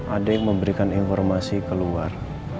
ada yang memberikan informasi keluar